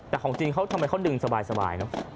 แต่ของจริงเขาทำไมเขาดึงสบายเนอะ